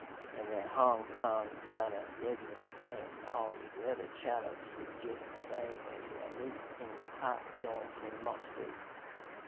An' their Hong kong China Regiment an' all the other Chinos is jus' the same as yer meet in the pipe joints in Mott Street.